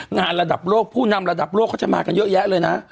ระดับโลกผู้นำระดับโลกเขาจะมากันเยอะแยะเลยนะ